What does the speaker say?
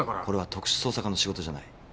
これは特殊捜査課の仕事じゃない。